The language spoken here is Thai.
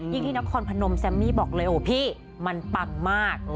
ที่นครพนมแซมมี่บอกเลยโอ้พี่มันปังมาก